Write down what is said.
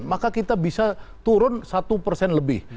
maka kita bisa turun satu persen lebih